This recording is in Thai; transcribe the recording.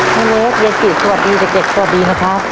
แม่เล็กเย็นซีสวัสดีเด็กสวัสดี